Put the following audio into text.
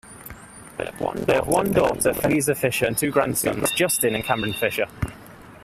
They have one daughter, Fernanda Luisa Fisher, and two grandsons, Justin and Cameron Fisher.